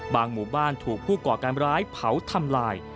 หมู่บ้านถูกผู้ก่อการร้ายเผาทำลาย